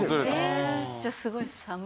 じゃあすごい寒い。